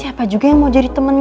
ibu bunga buang mengah tidak aun